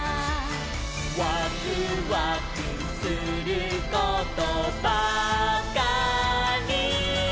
「ワクワクすることばかり」